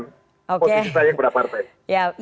positif saya kepada partai